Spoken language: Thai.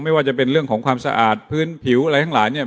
ไม่ว่าจะเป็นเรื่องของความสะอาดพื้นผิวอะไรทั้งหลายเนี่ย